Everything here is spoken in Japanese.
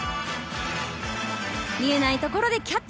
見えないところでキャッチ。